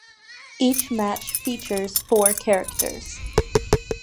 Each match features four characters.